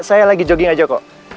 saya lagi jogging aja kok